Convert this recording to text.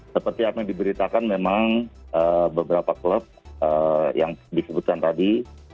seperti apa yang diberitakan memang beberapa klub yang disebutkan tadi